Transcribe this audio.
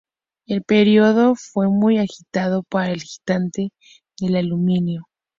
El período fue muy agitado para el gigante del aluminio.